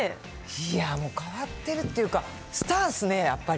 いやもう、変わってるっていうか、スターっすね、やっぱり。